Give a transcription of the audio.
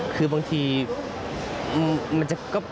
คือบางทีมันจะก็